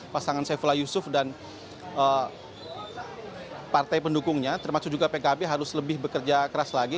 pasangan saifullah yusuf dan partai pendukungnya termasuk juga pkb harus lebih bekerja keras lagi